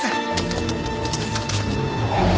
あっ。